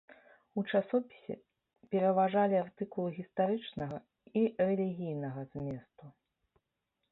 У часопісе пераважалі артыкулы гістарычнага і рэлігійнага зместу.